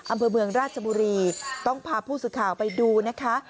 อำเภอเมืองราชบุรีต้องพาผู้สื่อข่าวไปดูนะคะ